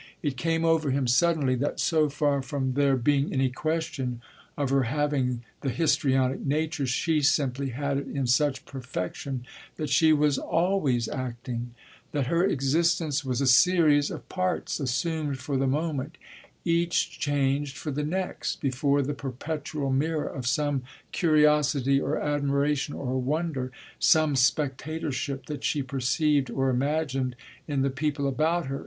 It came over him suddenly that so far from there being any question of her having the histrionic nature she simply had it in such perfection that she was always acting; that her existence was a series of parts assumed for the moment, each changed for the next, before the perpetual mirror of some curiosity or admiration or wonder some spectatorship that she perceived or imagined in the people about her.